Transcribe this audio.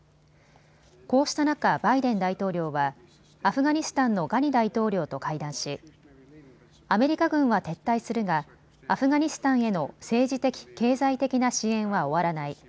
こうした中、バイデン大統領はアフガニスタンのガニ大統領と会談しアメリカ軍は撤退するがアフガニスタンへの政治的、経済的な支援は終わらない。